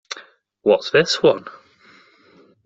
What's this one?